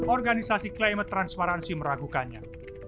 organisasi climate transparency meragukannya